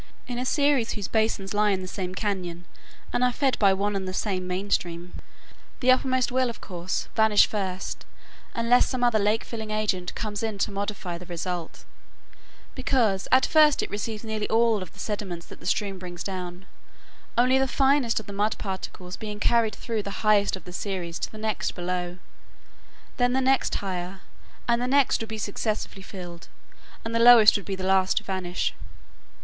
In a series whose basins lie in the same cañon, and are fed by one and the same main stream, the uppermost will, of course, vanish first unless some other lake filling agent comes in to modify the result; because at first it receives nearly all of the sediments that the stream brings down, only the finest of the mud particles being carried through the highest of the series to the next below. Then the next higher, and the next would be successively filled, and the lowest would be the last to vanish.